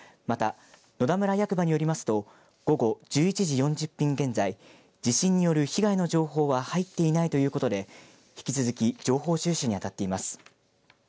また、野田村役場によりますと午後１１時４０分現在地震による被害の情報は入っていないということで引き続き情報収集にあたっています。